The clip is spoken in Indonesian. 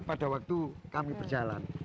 pada waktu kami berjalan